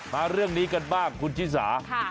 มาเรื่องนี้กันบ้างคุณชิสา